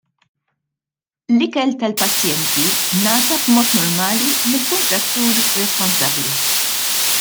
L-ikel tal-pazjenti ngħata b'mod normali mill-kuntrattur responsabbli.